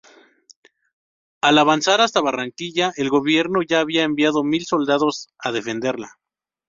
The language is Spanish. Al avanzar hasta Barranquilla el gobierno ya había enviado mil soldados a defenderla.